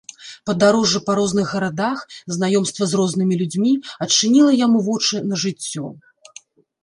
Падарожжа па розных гарадах, знаёмства з рознымі людзьмі адчыніла яму вочы на жыццё.